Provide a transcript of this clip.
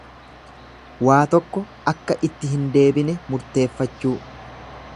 Waa tokko akka itti hin deebine murteeffachuu.